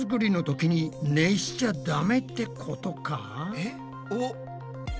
えっ？おっ。